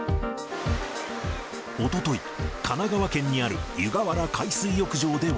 おととい、神奈川県にある湯河原海水浴場では。